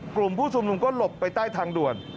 กลุ่มผู้ชุมนุมก็หลบไปใต้ทางด่วน